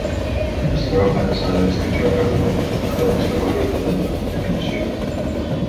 Es troba amenaçada d'extinció a causa de la destrucció del seu hàbitat i la contaminació.